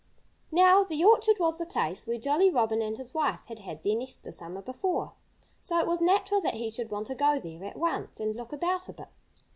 Now, the orchard was the place where Jolly Robin and his wife had had their nest the summer before. So it was natural that he should want to go there at once and look about a bit.